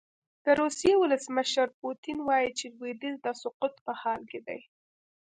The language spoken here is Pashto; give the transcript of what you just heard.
د روسیې ولسمشر پوتین وايي چې لویدیځ د سقوط په حال کې دی.